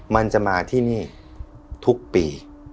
มันจะมาที่นี่ทุกปี